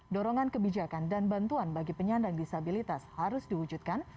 dorongan kebijakan dan bantuan bagi penyandang disabilitas harus diwujudkan